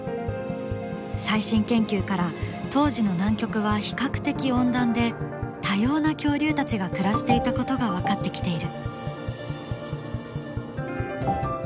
最新研究から当時の南極は比較的温暖で多様な恐竜たちが暮らしていたことが分かってきている。